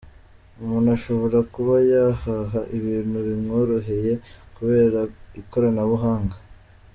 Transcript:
Umuntu ashobora kuba yahaha ibintu bimworoheye kubera ikoranabuhanga.